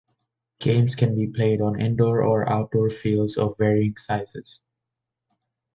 Games can be played on indoor or outdoor fields of varying sizes.